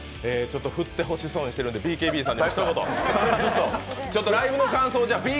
振ってほしそうにしてるのでＢＫＢさん、ひと言。